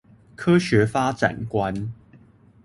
科學發展觀